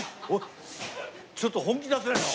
ちょっと本気でやってないか？